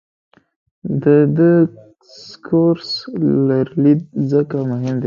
د ډسکورس لرلید ځکه مهم دی.